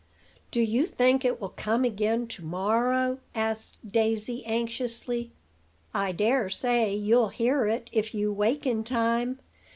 "Do you think it will come again to morrow?" asked Daisy anxiously. "I dare say you'll hear it, if you wake in time.